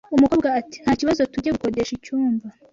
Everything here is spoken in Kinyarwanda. Umukobwa ati nta kibazo tujye gukodesha icyumba